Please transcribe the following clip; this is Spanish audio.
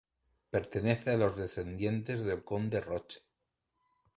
Pertenece a los descendientes del conde de Roche.